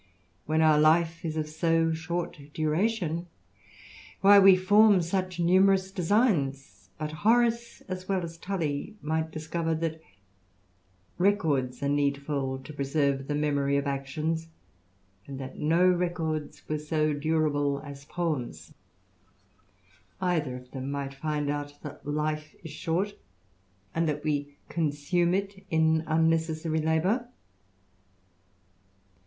when our life is of so short duration, why we form such numerous designs? But Horace, as well as Tully, might discover that records are needful to preserve the memory of actions, and that no records were so durable as poems ; IS8 THE RAMBLER. either of them might find out that life is short, and that ^ consume it in unnecessary labour.